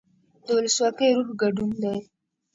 د ولسواکۍ روح ګډون دی